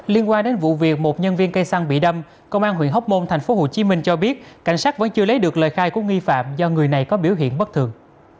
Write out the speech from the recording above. liên quan đến vụ việc một nhân viên cây xăng bị đâm công an huyện hóc môn thành phố hồ chí minh cho biết cảnh sát vẫn chưa lấy được lời khai của nghi phạm do người này có biểu hiện bất thường